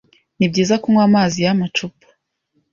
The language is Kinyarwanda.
Nibyiza kunywa amazi yamacupa.